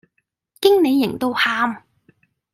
經理型到喊